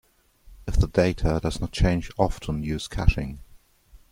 If the data does not change often use caching.